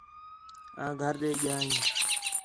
آں گھر ݙے ڳِیا ہیں